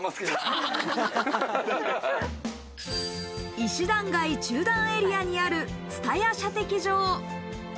石段街中段エリアにある、つたや射的場。